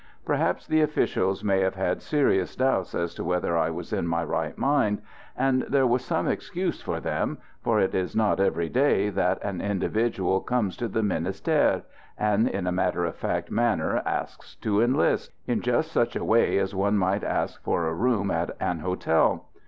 Perhaps the officials may have had serious doubts as to whether I was in my right mind; and there was some excuse for them, for it is not every day that an individual comes to the Ministère, and in a matter of fact manner asks to enlist, in just such a way as one might ask for a room at an hotel.